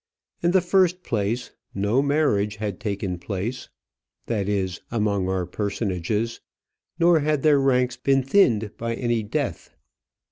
In the first place, no marriage had taken place that is, among our personages; nor had their ranks been thinned by any death.